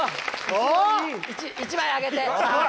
１枚あげて。